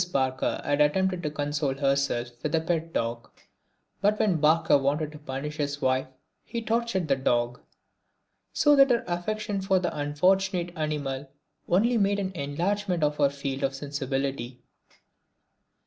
Barker had attempted to console herself with a pet dog, but when Barker wanted to punish his wife he tortured the dog. So that her affection for the unfortunate animal only made for an enlargement of her field of sensibility.